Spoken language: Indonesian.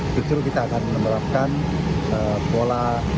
betul kita akan memerlukan pola